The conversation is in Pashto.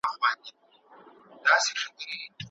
هر څوک چې دا کیسه لولي باید ترې پند واخلي.